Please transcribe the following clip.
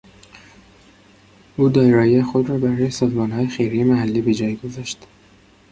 او دارایی خود را برای سازمانهای خیریهی محلی به جای گذاشت.